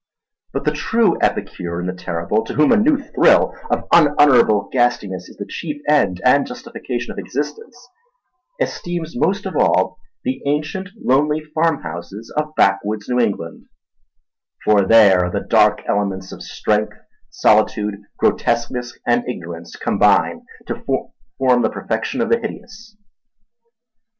But the true epicure in the terrible, to whom a new thrill of unutterable ghastliness is the chief end and justification of existence, esteems most of all the ancient, lonely farmhouses of backwoods New England; for there the dark elements of strength, solitude, grotesqueness, and ignorance combine to form the perfection of the hideous.